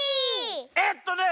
えっとね